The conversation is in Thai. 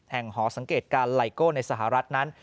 หอสังเกตการไลโก้ในสหรัฐนั้น